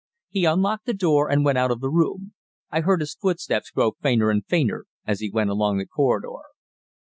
He unlocked the door, and went out of the room. I heard his footsteps grow fainter and fainter as he went along the corridor.